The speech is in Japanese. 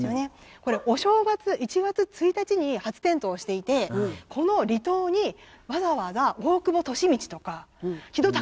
これお正月１月１日に初点灯していてこの離島にわざわざ大久保利通とか木戸孝允